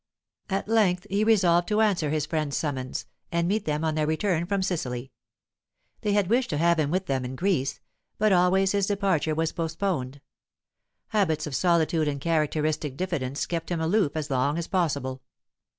At length he resolved to answer his friends' summons, and meet them on their return from Sicily. They had wished to have him with them in Greece, but always his departure was postponed; habits of solitude and characteristic diffidence kept him aloof as long as possible.